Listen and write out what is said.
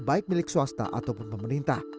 baik milik swasta ataupun pemerintah